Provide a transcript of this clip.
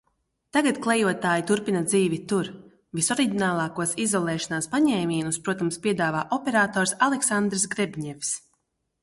Tagad Klejotāji turpina dzīvi tur. Visoriģinālākos izolēšanās paņēmienus, protams, piedāvā operators Aleksandrs Grebņevs.